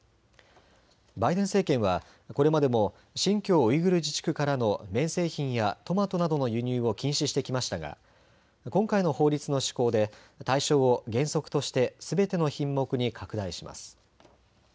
バイデン政権は、これまでも新疆ウイグル自治区からの綿製品やトマトなどの輸入を禁止してきましたが今回の法律の施行で対象を原則としてすべての品目に拡大します。